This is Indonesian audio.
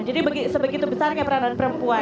jadi sebegitu besar kayak peranan perempuan